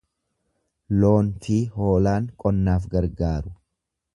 Loon fi hoolaan qonnaaf gargaaru.